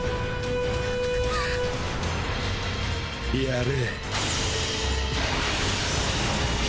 やれ！